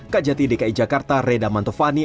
kajati dki jakarta reda mantovani